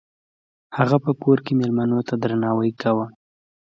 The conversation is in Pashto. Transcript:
هغه په کور کې میلمنو ته درناوی کاوه.